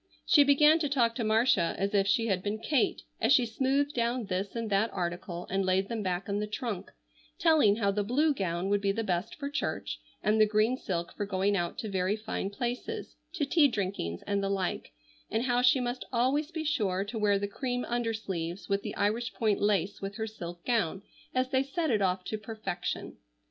She began to talk to Marcia as if she had been Kate, as she smoothed down this and that article and laid them back in the trunk, telling how the blue gown would be the best for church and the green silk for going out to very fine places, to tea drinkings and the like, and how she must always be sure to wear the cream undersleeves with the Irish point lace with her silk gown as they set it off to perfection.